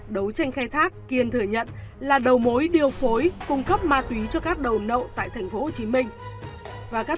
đấu tranh khai thác kiên thừa nhận là đầu mối điều phối cung cấp ma túy cho các đối tượng